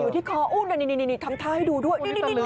ใส่อยู่ที่คอนี่กำทาให้ดูด้วย